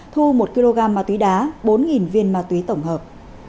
thu một kg ma túy đá bốn viên ma túy tổng hợp